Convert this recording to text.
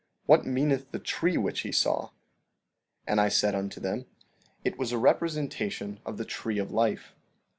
What meaneth the tree which he saw? 15:22 And I said unto them: It was a representation of the tree of life.